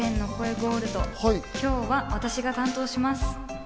ゴールド、今日は私が担当します。